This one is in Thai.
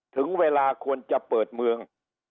ถึงเวลาควรจะเปิดเมือง